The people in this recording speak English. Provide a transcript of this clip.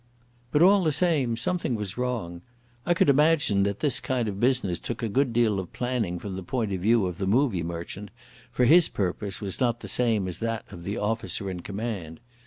But all the same something was wrong. I could imagine that this kind of business took a good deal of planning from the point of view of the movie merchant, for his purpose was not the same as that of the officer in command.